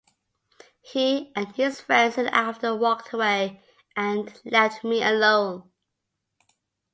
He and his friend soon after walked away and left me alone.